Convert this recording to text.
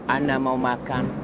anda mau makan